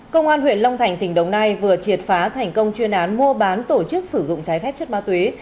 công an huyện long thành tỉnh đồng nai vừa triệt phá thành công chuyên án mua bán tổ chức sử dụng trái phép chất ma túy